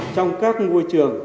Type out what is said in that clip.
trong các nguôi trường